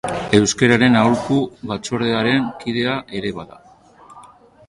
Euskararen Aholku Batzordearen kidea ere bada.